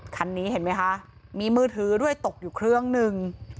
คันนี้เห็นไหมคะมีมือถือด้วยตกอยู่เครื่องหนึ่ง